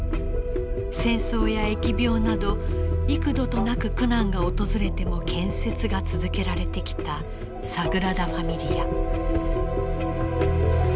戦争や疫病など幾度となく苦難が訪れても建設が続けられてきたサグラダ・ファミリア。